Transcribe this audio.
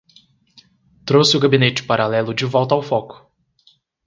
Trouxe o gabinete paralelo de volta ao foco